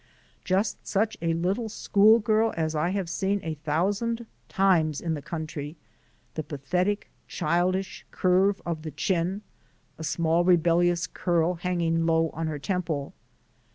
Just such a little school girl as I have seen a thousand times in the country, the pathetic childish curve of the chin, a small rebellious curl hanging low on her temple.